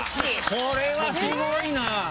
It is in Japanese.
これはスゴいな！